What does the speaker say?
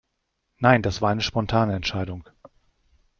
Nein, das war eine spontane Entscheidung.